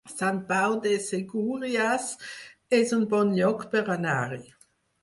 Sant Pau de Segúries es un bon lloc per anar-hi